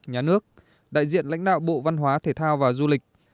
nhà nước đại diện lãnh đạo bộ văn hóa thể thao và du lịch